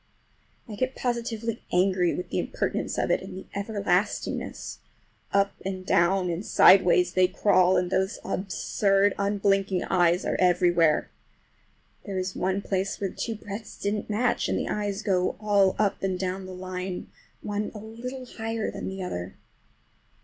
I get positively angry with the impertinence of it and the everlastingness. Up and down and sideways they crawl, and those absurd, unblinking eyes are everywhere. There is one place where two breadths didn't match, and the eyes go all up and down the line, one a little higher than the other.